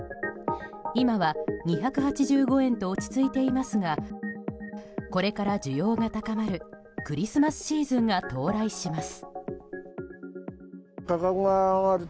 今は２８５円と落ち着いていますがこれから需要が高まるクリスマスシーズンが到来します。